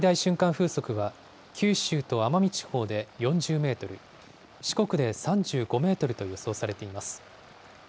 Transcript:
風速は九州と奄美地方で４０メートル、四国で３５メートルと予想されています。